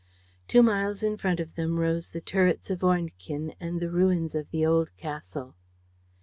Two miles in front of them rose the turrets of Ornequin and the ruins of the old castle.